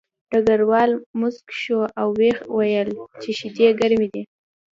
ډګروال موسک شو او ویې ویل چې شیدې ګرمې دي